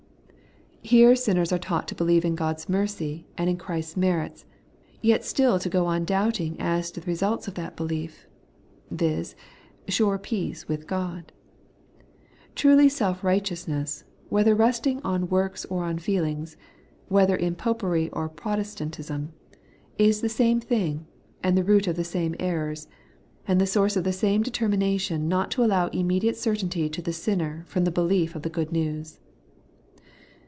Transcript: Here sinners are taught to believe in God's mercy and in Christ's merits, yet stQl to go on doubting as to the results of that belief, viz. sure peace with God. Truly self righteousness, whether resting on works or on feelings, whether in Popery or Protestantism, is the same thing, and the root of the same errors, and the source of the same determination not to allow immediate certainty to the sinner from the belief of the good news.